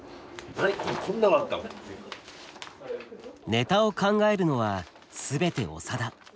ネタを考えるのは全て長田。